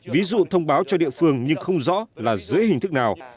ví dụ thông báo cho địa phương nhưng không rõ là dưới hình thức nào